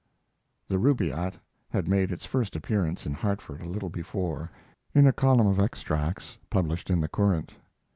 [The 'Rubaiyat' had made its first appearance, in Hartford, a little before in a column of extracts published in the Courant.